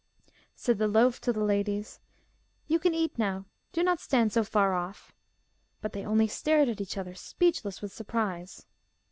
Said the loaf to the ladies, 'You can eat now; do not stand so far off;' but they only stared at each other, speechless with surprise.